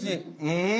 うん！